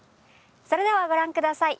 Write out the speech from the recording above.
それではご覧ください。